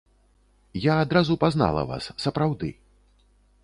Я адразу пазнала вас, сапраўды.